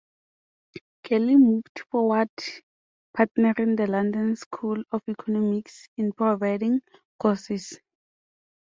Kelly moved forward partnering the London School of Economics in providing courses.